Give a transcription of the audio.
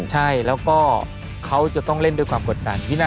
ใช่แล้วก็เขาจะต้องเล่นด้วยความกดดัน